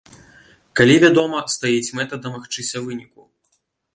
Калі, вядома, стаіць мэта дамагчыся выніку.